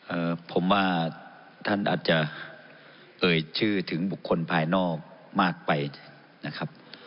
เอ่อผมว่าท่านอาจจะเอ่ยชื่อถึงบุคคลภายนอกมากไปนะครับ